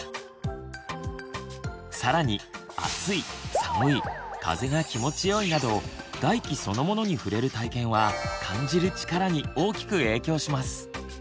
更に暑い寒い風が気持ちよいなど外気そのものに触れる体験は「感じる力」に大きく影響します。